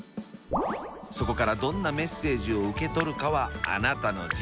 そこからどんなメッセージを受け取るかはあなたの自由。